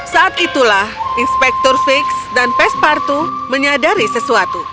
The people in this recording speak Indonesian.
saat itulah inspektur fix dan pespartu menyadari sesuatu